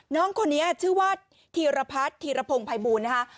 น้องคนนี้ชื่อว่าธีรพัฒน์ธีรพงศ์ภัยบูลนะคะ